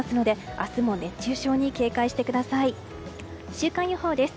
週間予報です。